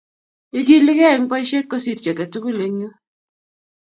Igiligei eng boisiet kosiir chi age tugul eng yuu